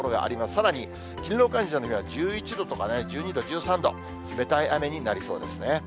さらに、勤労感謝の日は、１１度とかね、１２度、１３度、冷たい雨になりそうですね。